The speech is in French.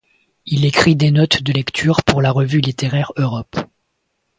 Il écrit des notes de lecture pour la revue littéraire Europe.